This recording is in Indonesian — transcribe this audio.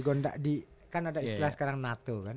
gondak di kan ada istilah sekarang nato kan